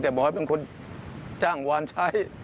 แต่บอกว่าเป็นคนจ้างวานใช้